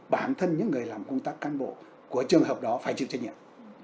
bản thân những người làm công tác cán bộ của trường hợp đó phải chịu trách nhiệm